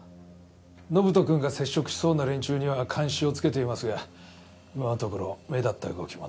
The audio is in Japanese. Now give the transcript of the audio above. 延人君が接触しそうな連中には監視を付けていますが今のところ目立った動きもなく。